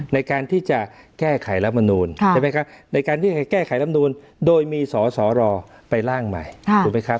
ในการที่จะแก้ไขรับมนุนในการที่จะแก้ไขรับมนุนโดยมีสอรอไปร่างใหม่